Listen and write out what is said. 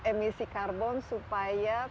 emisi karbon supaya